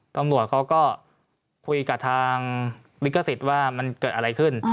ตำรวจเขาก็คุยกับทางลิขสิทธิ์ว่ามันเกิดอะไรขึ้น